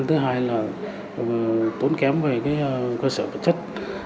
thứ hai là tốn kém về cơ sở vật chất